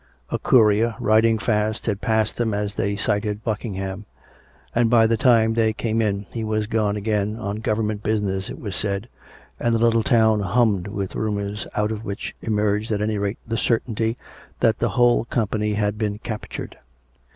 A courier, riding fast, had passed them as they sighted Buckingham; and by the time they came in, he was gone again, on Government business (it was said), and the little town hummed with rumours, out of which emerged, at any rate, the certainty that the whole com pany had been captured.